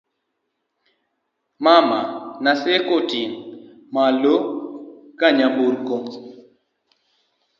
mama, Naseko noting' malo ka nyamburko